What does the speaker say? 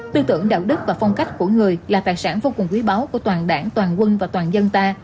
tư tưởng đạo đức và phong cách của người là tài sản vô cùng quý báu của toàn đảng toàn quân và toàn dân ta